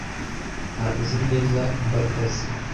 ntabwo uzi neza imbaga ze